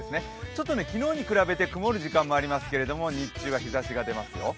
ちょっと昨日に比べて曇る時間もありますけど日中は日ざしが出ますよ。